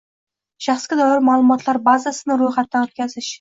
Shaxsga doir ma’lumotlar bazasini ro‘yxatdan o‘tkazish